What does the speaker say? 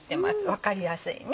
分かりやすいね。